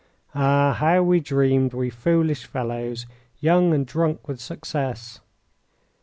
Ah, how we dreamed, we foolish fellows, young, and drunk with success!